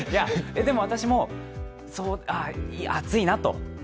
でも、私も、熱いなと。